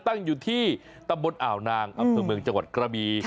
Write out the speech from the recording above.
ตั้งอยู่ที่ตำบลอ่าวนางอำเภอเมืองจังหวัดกระบี